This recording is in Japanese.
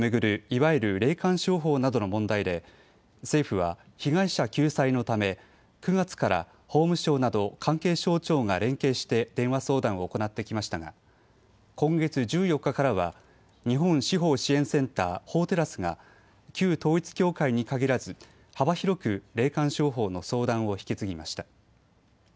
いわゆる霊感商法などの問題で政府は被害者救済のため９月から法務省など関係省庁が連携して電話相談を行ってきましたが今月１４日からは日本司法支援センター、法テラスが旧統一教会に限らず幅広く霊感商法の相談を引き継ぎました。